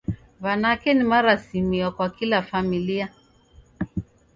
W'anake ni marasimio kwa kila familia